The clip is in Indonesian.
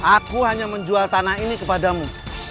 aku hanya menjual tanah ini kepadamu